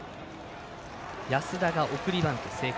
安田が送りバント成功。